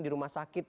di rumah saham